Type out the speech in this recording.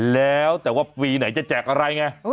แล้วแต่ว่าปีไหนจะแจกอะไรไง